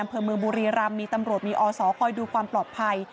อำเภอเมืองบุรีรำมีตำรวจมีอศคอยดูความปลอดภัย